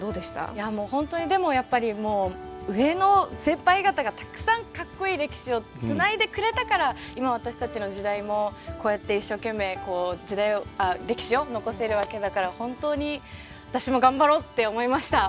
いやもう本当にでもやっぱり上の先輩方がたくさんかっこいい歴史をつないでくれたから今私たちの時代もこうやって一生懸命歴史を残せるわけだから本当に私も頑張ろうって思いました。